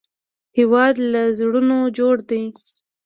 هېواد له زړونو جوړ دی